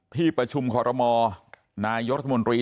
ที่ประชุมคอรมอนายกรัฐมนตรี